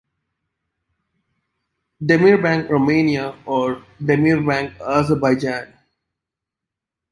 Demirbank Romania or Demirbank Azerbaijan.